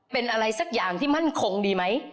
เป็นอะไรสักอย่างที่มั่นคงดีไหม